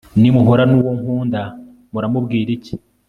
nimuhura n'uwo nkunda, muramubwira iki